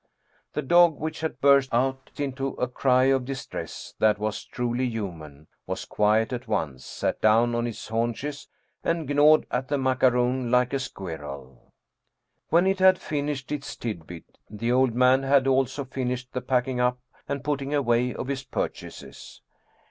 The dog, which had burst out into a cry of distress that was truly human, was quiet at once, sat down on its haunches, and gnawed at the macaroon like a squirrel. When it had finished its tidbit, the old man had also fin ished the packing up and putting away of his purchases.